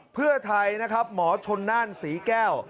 เพื่อไทยนะครับหมอชนน่านศรีแก้ว